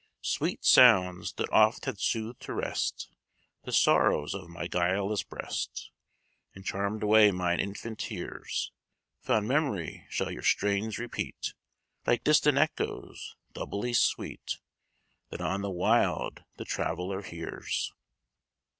"Sweet sounds! that oft have soothed to rest The sorrows of my guileless breast, And charmed away mine infant tears; Fond memory shall your strains repeat, Like distant echoes, doubly sweet, That on the wild the traveller hears."